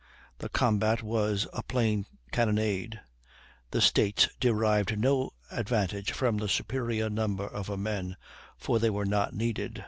The combat was a plain cannonade; the States derived no advantage from the superior number of her men, for they were not needed.